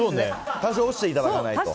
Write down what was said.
多少落ちていただかないと。